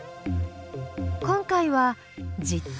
今回は「実体」。